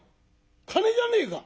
金じゃねえか！